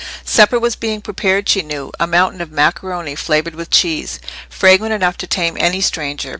Supper was being prepared, she knew—a mountain of macaroni flavoured with cheese, fragrant enough to tame any stranger.